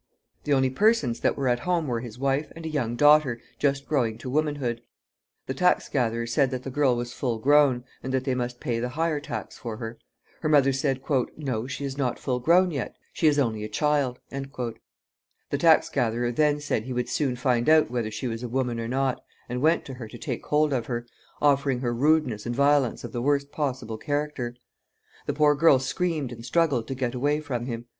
The only persons that were at home were his wife and a young daughter just growing to womanhood. The tax gatherer said that the girl was full grown, and that they must pay the higher tax for her. Her mother said, "No, she is not full grown yet; she is only a child." The tax gatherer then said he would soon find out whether she was a woman or not, and went to her to take hold of her, offering her rudeness and violence of the worst possible character. The poor girl screamed and struggled to get away from him.